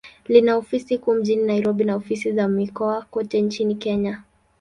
Lina ofisi kuu mjini Nairobi, na ofisi za mikoa kote nchini Kenya.